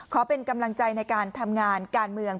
ขอเป็นกำลังใจในการทำงานการเมือง